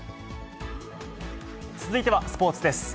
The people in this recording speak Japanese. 続いてはスポーツです。